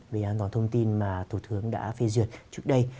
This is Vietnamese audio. về an toàn thông tin mà thủ tướng đã phê duyệt trước đây